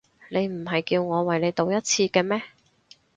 你唔係叫我為你賭一次嘅咩？